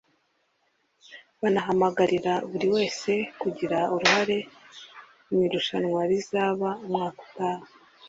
Banahamagarira buri wese kugira uruhare mu irushanwa rizaba umwaka utaha